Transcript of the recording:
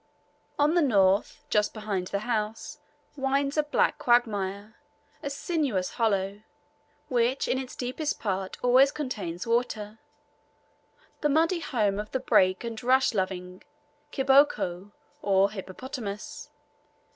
On the north, just behind the house, winds a black quagmire, a sinuous hollow, which in its deepest parts always contains water the muddy home of the brake and rush loving "kiboko" or hippopotamus.